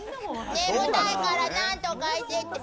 眠たいからなんとかしてって。